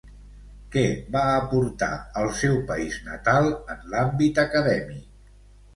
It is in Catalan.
Què va aportar al seu país natal, en l'àmbit acadèmic?